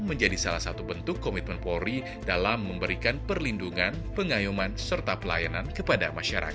menjadi salah satu bentuk komitmen polri dalam memberikan perlindungan pengayuman serta pelayanan kepada masyarakat